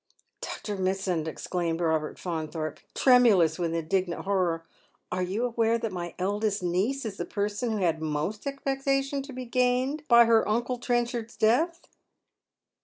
" Dr. Mitsand," exclaims Robert Faunthorpe, tremulous with indignant horror, " are you aware that my eldest niece is the person who had most expectation to be a gainer by her uncle Trenchard's death